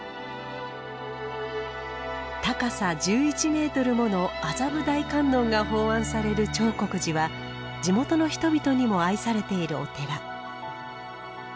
高さ１１ｍもの麻布大観音が奉安される長谷寺は地元の人々にも愛されているお寺。